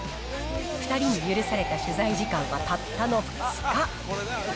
２人に許された取材時間はたったの２日。